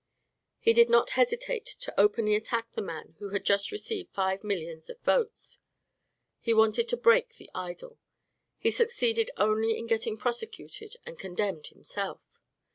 He did not hesitate to openly attack the man who had just received five millions of votes. He wanted to break the idol; he succeeded only in getting prosecuted and condemned himself.